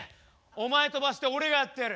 お前飛ばして俺がやってやる。